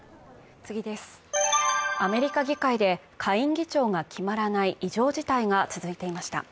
アメリカ議会で下院議長が決まらない異常事態が続いていました。